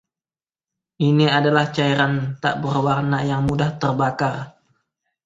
Ini adalah cairan tak berwarna yang mudah terbakar.